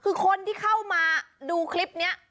คือคนที่เข้ามาดูคลิปนี้